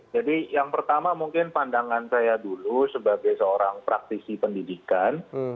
jadi yang pertama mungkin pandangan saya dulu sebagai seorang praktisi pendidikan